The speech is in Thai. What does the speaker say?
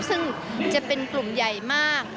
ซึ่งจะเป็นกลุ่มใหญ่มาก